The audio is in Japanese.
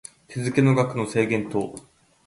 手付の額の制限等